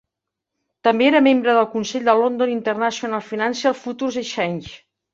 També era membre del consell del London International Financial Futures Exchange.